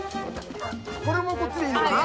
これもこっちでいいのかな？